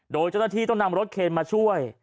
โดยเจ้าหน้าที่ต้องนำรถเคนมาช่วย